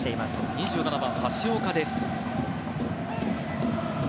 ２７番、橋岡です。